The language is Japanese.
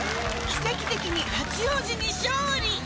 奇跡的に八王子に勝利。